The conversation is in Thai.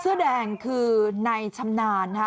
เสื้อแดงคือนายชำนาน